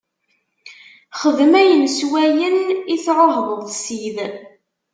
Xdem ayen s wayen i tɛuhdeḍ Ssid.